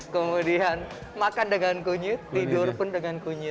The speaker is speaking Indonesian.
kemudian makan dengan kunyit tidur pun dengan kunyit